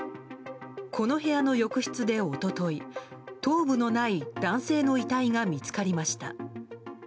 この部屋の浴室で一昨日頭部のない男性の遺体が見つかりました。